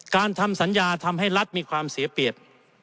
ทำสัญญาทำให้รัฐมีความเสียเปรียบ